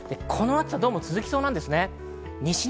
この暑さは続きそうなんです。